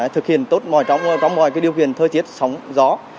thực hiện tốt mọi trong mọi cái điều khiển thời tiết sóng gió